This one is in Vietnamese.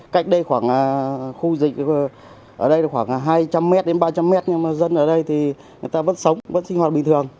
cách đây khoảng khu dịch ở đây được khoảng hai trăm linh m đến ba trăm linh mét nhưng mà dân ở đây thì người ta vẫn sống vẫn sinh hoạt bình thường